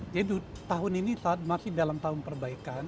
jadi tahun ini masih dalam tahun perbaikan